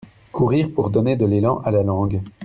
courir pour donner de l'élan à la langue.